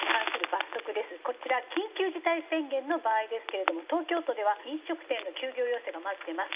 こちら緊急事態宣言の場合ですけれども東京都では飲食店の休業要請がまず出ます。